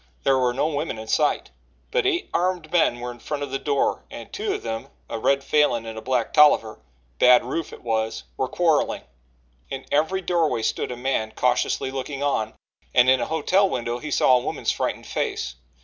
There were no women in sight, but eight armed men were in front of the door and two of them, a red Falin and a black Tolliver Bad Rufe it was were quarrelling. In every doorway stood a man cautiously looking on, and in a hotel window he saw a woman's frightened face.